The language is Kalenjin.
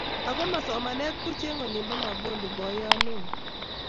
Ago ma somanetab buch eng olibo Mabonde boiyot neo?